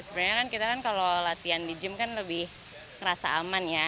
sebenarnya kan kita kan kalau latihan di gym kan lebih ngerasa aman ya